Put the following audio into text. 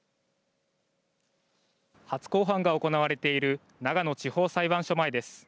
初公判が行われている長野地方裁判所前です。